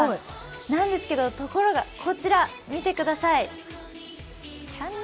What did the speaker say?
なんですけど、ところがこちら見てください。